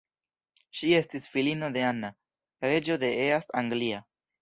Ŝi estis filino de Anna, reĝo de East Anglia.